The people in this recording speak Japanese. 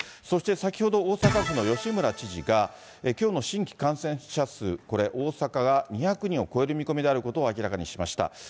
そして、先ほど大阪府の吉村知事が、きょうの新規感染者数、これ、大阪が２００人を超える見込みであることを明らかにしました。